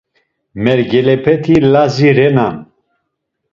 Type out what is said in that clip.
Mergelepeti Lazi renan.